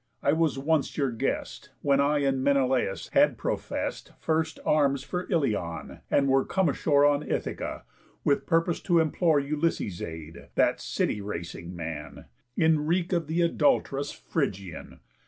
I was once your guest, When I and Menelaus had profest First arms for Ilion, and were come ashore On Ithaca, with purpose to implore Ulysses' aid, that city racing man, In wreak of the adult'rous Phrygian.